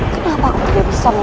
kau bandingkan benih